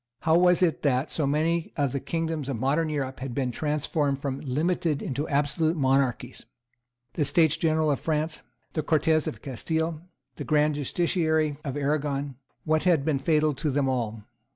How was it that so many of the kingdoms of modern Europe had been transformed from limited into absolute monarchies? The States General of France, the Cortes of Castile, the Grand Justiciary of Arragon, what had been fatal to them all?